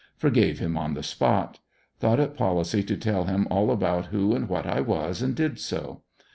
Forgave him on the spot. Thought it policy to tell him all about who and what I was, and did so.